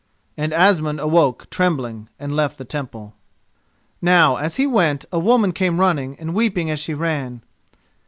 And Asmund awoke trembling and left the Temple. Now as he went, a woman came running, and weeping as she ran.